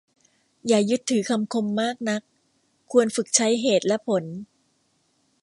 อย่ายึดถือคำคมมากนัก ควรฝึกใช้เหตุและผล